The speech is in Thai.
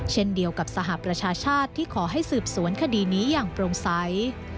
เช่นเดียวกับสหประชาชาติที่ขอให้สืบสวนคดีนี้อย่างโปร่งใส